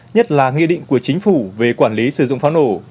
nhất là nghị định của chính phủ về quản lý sử dụng pháo nổ